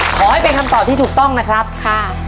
ขอให้เป็นคำตอบที่ถูกต้องนะครับค่ะ